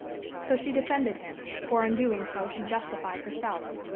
So she defended him; for in so doing she justified herself.